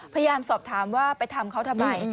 พยายามสอบถามว่าไปทำเขาทำไม